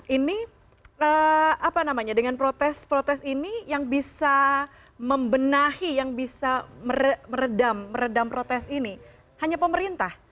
ini apa namanya dengan protes protes ini yang bisa membenahi yang bisa meredam meredam protes ini hanya pemerintah